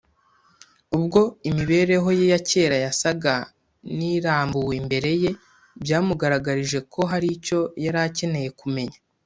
Ubwo imibereho ye ya kera yasaga n’irambuwe imbere ye, byamugaragarije ko hari icyo yari akeneye kumenya